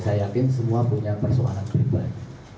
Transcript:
saya yakin semua punya persoalan pribadi